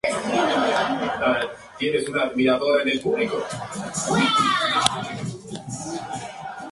Presentan bosques impenetrables.